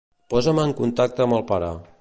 Posa'm en contacte amb el pare.